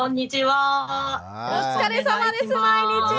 お疲れさまです毎日。